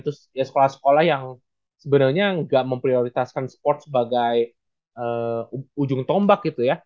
terus ya sekolah sekolah yang sebenarnya nggak memprioritaskan sport sebagai ujung tombak gitu ya